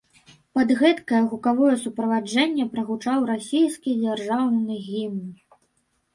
Пад гэткае гукавое суправаджэнне прагучаў расійскі дзяржаўны гімн.